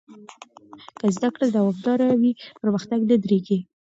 که زده کړه دوامداره وي، پرمختګ نه درېږي.